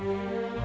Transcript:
aku mau ke rumah